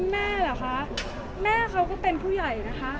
แม่เหรอคะแม่เขาก็เป็นผู้ใหญ่นะคะ